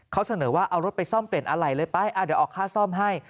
เขาเสนอว่าเอารถไปซ่อมเปลี่ยนอะไรเลยไปเดี๋ยวออกค่าซ่อมให้